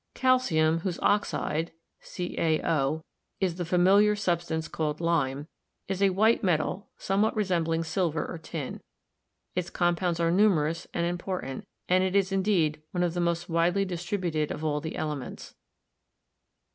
Calcium, whose oxide (CaO) is the familiar substance called lime, is a white metal somewhat resembling silver or tin. Its compounds are numerous and important, and it is indeed one of the most widely distributed of all the elements.